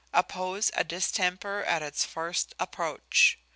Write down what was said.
_ "Oppose a distemper at its first approach."